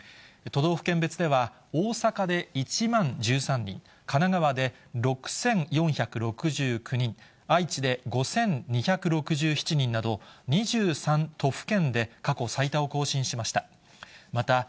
都道府県別では大阪で１万１３人、神奈川で６４６９人、愛知で５２６７人など、２３都府県で過去最多を更新しました。